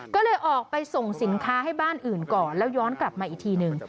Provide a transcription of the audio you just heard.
ก็เลยออกไปส่งสินค้าให้บ้านอื่นก่อนแล้วย้อนกลับมาอีกทีหนึ่ง